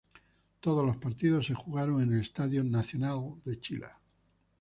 Todos los partidos se jugaron en el Estadio Nacional de Chile.